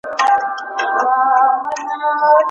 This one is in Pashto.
ایا هغه سړی به بیرته راشي چې کباب واخلي؟